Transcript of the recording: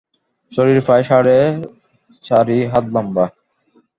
শরীর প্রায় সাড়ে চারি হাত লম্বা।